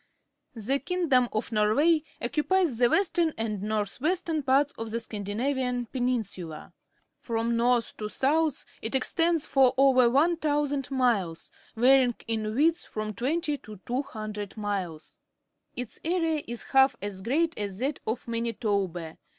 — The king dom of Norway occupies the western and north western parts of the Scandinarian Peninsula. From north to south it extends for over 1,000 miles, varying in width from twenty to 200 miles. Its area is about half as great as that of Manitoba.